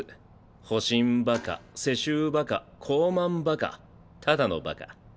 保身バカ世襲バカ高慢バカただのバカ。